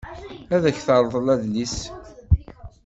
Ad ak-terḍel adlis.